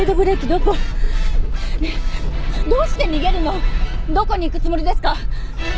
どこに行くつもりですか？